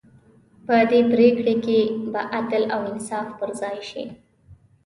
په دې پرېکړې کې به عدل او انصاف پر ځای شي.